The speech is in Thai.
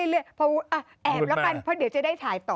เพราะว่าแอบแล้วกันเพราะเดี๋ยวจะได้ถ่ายต่อ